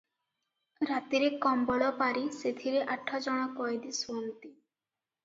ରାତିରେ କମ୍ବଳ ପାରି ସେଥିରେ ଆଠଜଣ କଏଦୀ ଶୁଅନ୍ତି ।